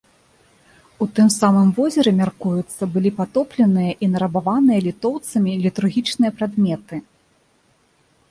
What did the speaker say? У тым самым возеры, мяркуецца, былі патопленыя і нарабаваныя літоўцамі літургічныя прадметы.